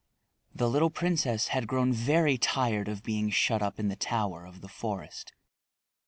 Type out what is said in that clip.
The little princess had grown very tired of being shut up in the tower of the forest.